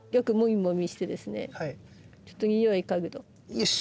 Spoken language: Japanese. よし！